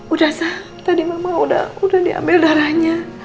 udah sah tadi mama udah diambil darahnya